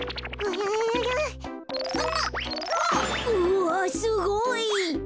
うわっすごい！